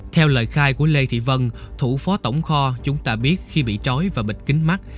theo lời khai của lê thị vân thủ phó tổng kho chúng ta biết khi bị trói và bịt kính mắt